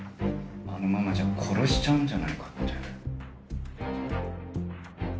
あのままじゃ殺しちゃうんじゃないかって。